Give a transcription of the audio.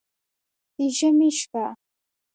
د ژمي شپه